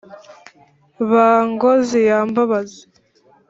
ba ngozi ya mbabazi